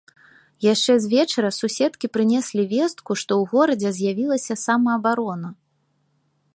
Яшчэ з вечара суседкі прынеслі вестку, што ў горадзе з'явілася самаабарона.